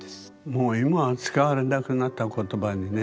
もう今は使われなくなった言葉にね。